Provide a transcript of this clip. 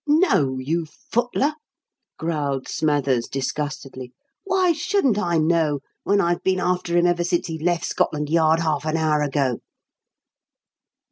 "Know, you footler!" growled Smathers, disgustedly. "Why shouldn't I know when I've been after him ever since he left Scotland Yard half an hour ago?"